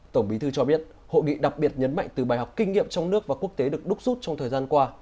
tổng bí thư cho biết hội nghị đặc biệt nhấn mạnh từ bài học kinh nghiệm trong nước và quốc tế được đúc rút trong thời gian qua